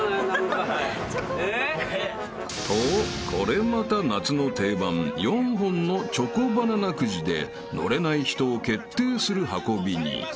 ［とこれまた夏の定番４本のチョコバナナくじで乗れない人を決定する運びに］